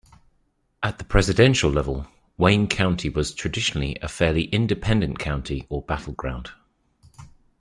At the presidential level, Wayne County was traditionally a fairly independent county or battleground.